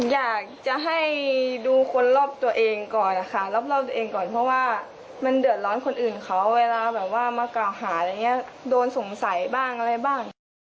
อยากจะให้ดูคนรอบตัวเองก่อนค่ะรอบตัวเองก่อนเพราะว่ามันเดือดร้อนคนอื่นเขาเวลาแบบว่ามากล่าวหาอะไรอย่างนี้โดนสงสัยบ้างอะไรบ้าง